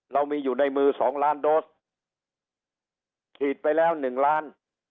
เรามีอยู่ในมือสองล้านโดสฉีดไปแล้วหนึ่งล้าน